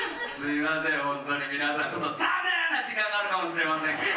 すいません